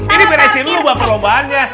ini beresin lu baper lombaannya